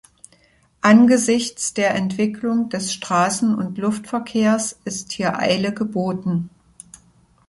Angesichts der Entwicklung des Straßen- und Luftverkehrs ist hier Eile geboten.